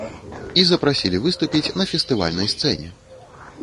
І запрасілі выступіць на фестывальнай сцэне.